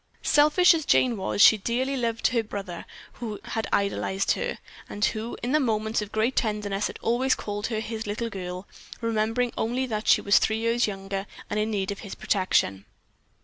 Selfish as Jane was, she dearly loved the brother who had idolized her, and who in moments of great tenderness had always called her his little girl, remembering only that she was three years younger and in need of his protection.